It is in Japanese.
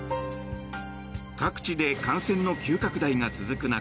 各地で感染の急拡大が続く